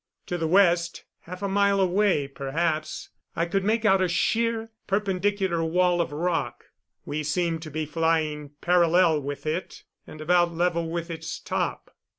To the west, half a mile away, perhaps, I could make out a sheer, perpendicular wall of rock. We seemed to be flying parallel with it and about level with its top.